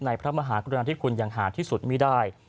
ในพระมหากรณทิศคุณอย่างห่านที่สุดมีได้